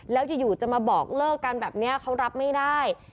แล้วอยู่จะมาบอกเลิกกันแบบนี้เขารับไม่ได้